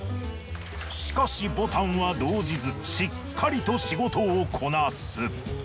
しかしボタンは動じずしっかりと仕事をこなす。